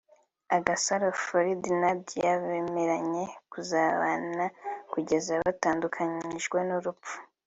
Agasaro Farid Nadia bemeranye kuzabana kugeza batandukanyijwe n’urupfu